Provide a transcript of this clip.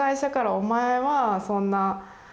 「お前はそんな」。